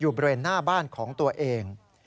บริเวณหน้าบ้านของตัวเอง